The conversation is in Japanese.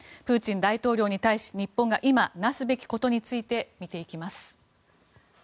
プーチン大統領に対し日本が今、なすべきことについて見ていきます。